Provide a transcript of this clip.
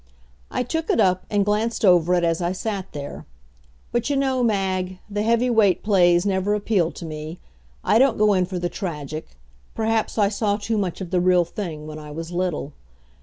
I took it up and glanced over it as I sat there; but, you know, Mag, the heavy weight plays never appealed to me. I don't go in for the tragic perhaps I saw too much of the real thing when I was little.